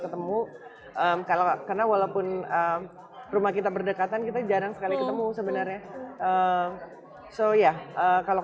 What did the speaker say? ketemu kalau karena walaupun rumah kita berdekatan kita jarang sekali ketemu sebenarnya so ya kalau